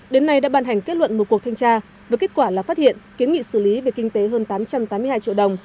đến nay đã ban hành kết luận một cuộc thanh tra với kết quả là phát hiện kiến nghị xử lý về kinh tế hơn tám trăm tám mươi hai triệu đồng